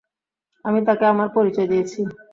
আমি তাকে আমার পরিচয় দিয়েছি।